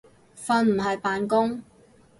瞓唔係扮工